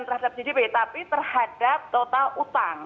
terhadap gdp tapi terhadap total utang